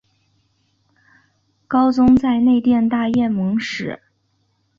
高宗在内殿大宴蒙使。